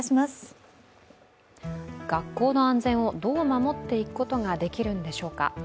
学校の安全をどう守っていくことができるんでしょうか。